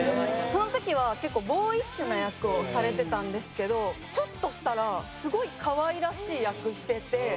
その時は結構ボーイッシュな役をされてたんですけどちょっとしたらすごい可愛らしい役してて。